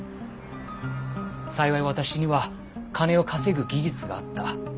幸い私には金を稼ぐ技術があった。